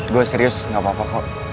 gua serius gapapa kok